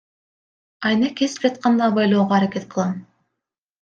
Айнек кесип жатканда абайлоого аракет кылам.